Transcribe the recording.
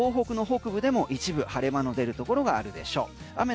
東北の北部でも一部、晴れ間の出るところがあるでしょう。